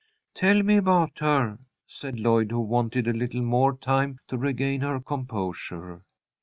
"Tell me about her," said Lloyd, who wanted a little more time to regain her composure.